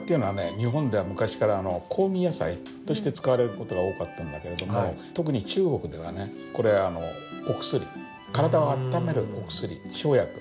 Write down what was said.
日本では昔から香味野菜として使われる事が多かったんだけれども特に中国ではねこれお薬体をあっためるお薬生薬。